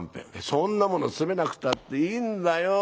「そんなもの詰めなくたっていいんだよ。